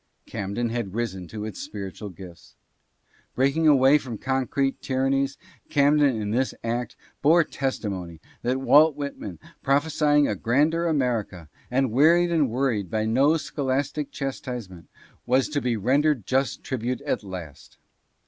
Camden had risen to its spiritual gifts. Breaking away from concrete tyran nies, Camden in this act bore testimony that Walt Whitman, prophesying a grander America, and wearied and worried by no scholastic chastisement, was to be rendered just tribute at last.